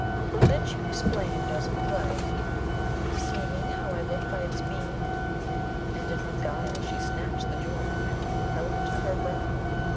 Then she exclaimed, as in play, 'See me, how I look by its beam.' And in her guile she snatched the Jewel from him, and held it to her brow.